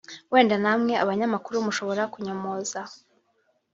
wenda namwe abanyamakuru mushobora kunyomoza